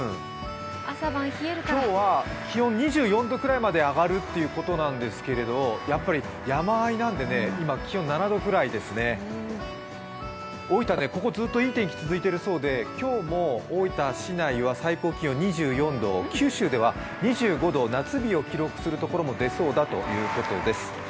今日は気温２４度くらいまで上がるということなんですれど、やっぱり山あいなんで今、気温７度ぐらいですね大分でここずっといい天気が続いているようで今日も大分市内は、最高気温２４度、九州では２５度、夏日を記録するところも出そうだということです。